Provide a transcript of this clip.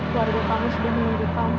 warga kamu sudah menunggu kamu